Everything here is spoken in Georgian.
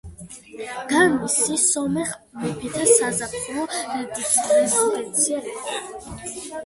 გარნისი სომეხ მეფეთა საზაფხულო რეზიდენცია იყო.